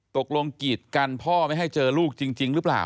กีดกันพ่อไม่ให้เจอลูกจริงหรือเปล่า